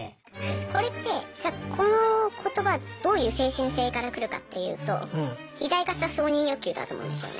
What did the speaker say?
これってじゃあこの言葉どういう精神性から来るかっていうと肥大化した承認欲求だと思うんですよね。